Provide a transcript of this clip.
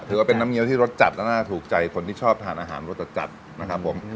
ถือว่าเป็นน้ำเงี้ยที่รสจัดแล้วน่าถูกใจคนที่ชอบทานอาหารรสจัดนะครับผม